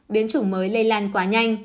biến chủng mới lây lan quá nhanh